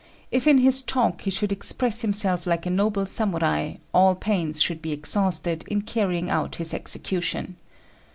If in his talk he should express himself like a noble Samurai, all pains should be exhausted in carrying out his execution.